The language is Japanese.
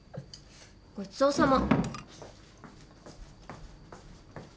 ごちそうさま。